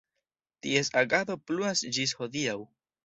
Ties agado pluas ĝis hodiaŭ.